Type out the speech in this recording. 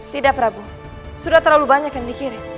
tidak prabu sudah terlalu banyak yang dikirim